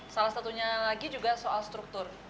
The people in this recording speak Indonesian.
salah satunya lagi juga soal struktur